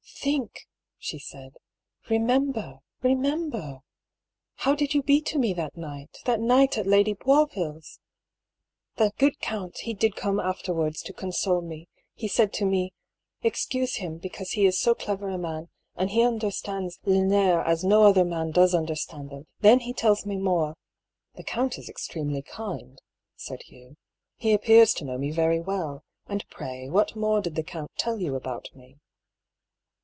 "Think," she said; "remember, remember! How 230 I>R. PAULL'S THEORY. did you be to me that night — that night at Lady Bois ville's? The good count he did come afterwards to console me. He said to me, ' Excuse him, because he is so clever a man, and he understands les nerfs as no other man does understand them.' Then he tells me more "" The count is extremely kind," said Hugh. " He appears to know me very well. And pray what more did the count tell you about me